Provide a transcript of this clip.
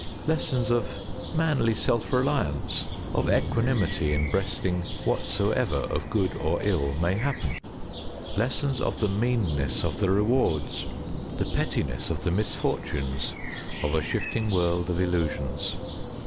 Lessons of manly self reliance, of equanimity in breasting whatsoever of good or ill may happen. Lessons of the meanness of the rewards, the pettiness of the misfortunes of a shifting world of illusions.